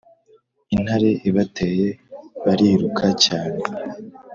intare ibateye, bariruka cyane